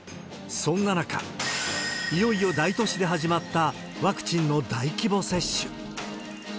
そんな中、いよいよ大都市で始まった、ワクチンの大規模接種。